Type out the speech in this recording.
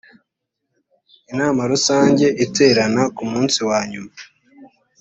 inama rusange iterana kumunsi wanyuma.